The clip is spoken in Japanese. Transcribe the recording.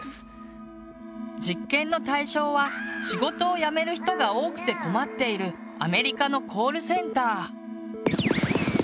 実験の対象は仕事を辞める人が多くて困っているアメリカのコールセンター。